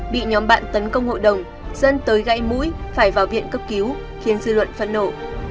bị nhóm bạn tấn công hội đồng dân tới gãy mũi phải vào viện cấp cứu khiến dư luận phẫn nộ